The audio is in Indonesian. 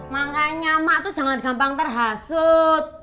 makanya mak tuh jangan gampang terhasut